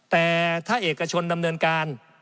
แต่ถ้าเอกชนดำเนินการ